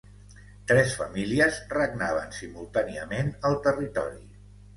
Tres famílies regnaven simultàniament al territori.